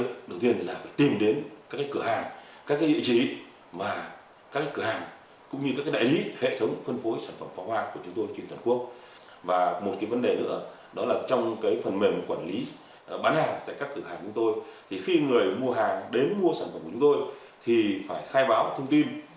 từ mua hàng đến mua sản phẩm của chúng tôi thì phải khai báo thông tin